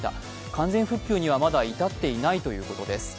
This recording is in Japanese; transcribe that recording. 完全復旧にはまだ至っていないということです。